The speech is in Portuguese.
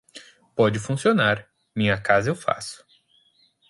Pode funcionar, minha casa eu faço.